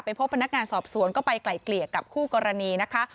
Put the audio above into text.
พบพนักงานสอบสวนก็ไปไกลเกลี่ยกับคู่กรณีนะคะ